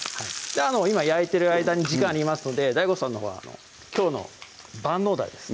今焼いてる間に時間ありますのでＤＡＩＧＯさんのほうはきょうの万能ダレですね